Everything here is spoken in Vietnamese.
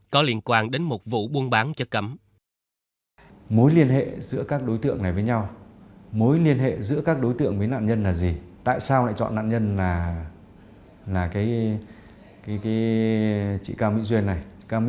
có liên quan đến một vụ buôn bán chất cấm